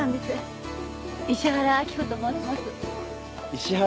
石原